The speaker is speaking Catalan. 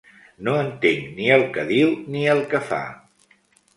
No entenc ni el que diu ni el que fa.